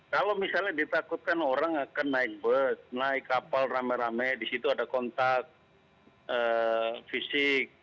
kalau misalnya ditakutkan orang akan naik bus naik kapal rame rame di situ ada kontak fisik